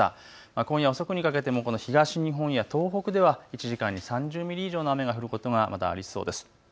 今夜遅くにかけてもこの東日本や東北では１時間に３０ミリ以上の雨が降ることがまだありそうです。